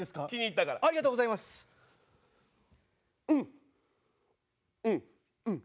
うんうんうん。